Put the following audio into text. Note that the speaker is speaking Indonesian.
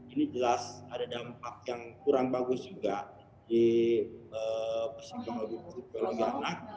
ini jelas ada dampak yang kurang bagus juga di pesikologi pesikologi anak